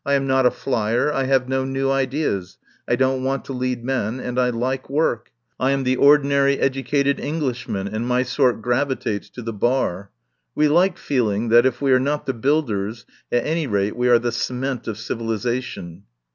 I am not a flier, I have no new ideas, I don't want to lead men and I like work. I am the ordinary educated Englishman, and my sort gravitates to the Bar. We like feeling that, if we are not the builders, at any rate we are the cement of civilisation."